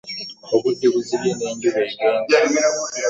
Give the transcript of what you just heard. Obudde buzibye, n'enjuba egeeze.